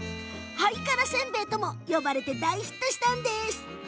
ハイカラせんべいとも呼ばれて大ヒットしたんです。